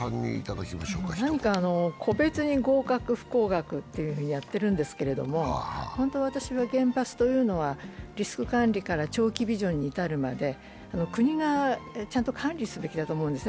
個別に合格・不合格というふうにやっているんですけど、本当は原発というのはリスク管理から長期ビジョンに至るまで国がちゃんと管理すべきだと思うんですね。